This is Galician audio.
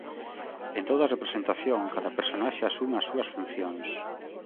En toda representación, cada personaxe asume as súas funcións.